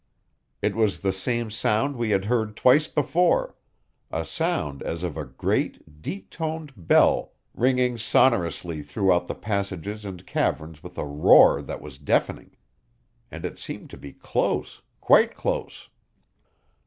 It was the same sound we had heard twice before; a sound as of a great, deep toned bell ringing sonorously throughout the passages and caverns with a roar that was deafening. And it seemed to be close quite close.